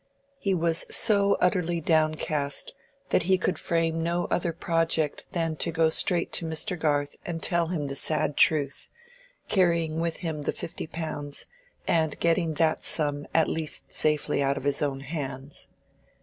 He was so utterly downcast that he could frame no other project than to go straight to Mr. Garth and tell him the sad truth, carrying with him the fifty pounds, and getting that sum at least safely out of his own hands.